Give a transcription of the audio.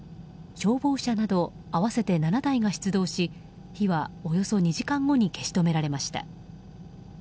消防車など合わせて７台が出動し火はおよそ２時間後に消し止められました。